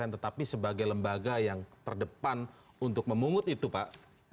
tetapi sebagai lembaga yang terdepan untuk memungut itu pak